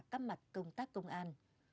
các mặt công tác công an